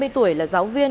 năm mươi tuổi là giáo viên